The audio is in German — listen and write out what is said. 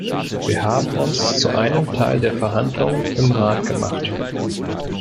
Wir haben uns zu einem Teil der Verhandlungen im Rat gemacht.